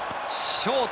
ショート